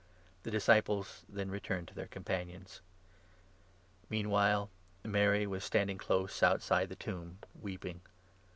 The disciples then returned to their 10 companions. jesus Meanwhile Mary was standing close outside the 1 1 .appears to tomb, weeping.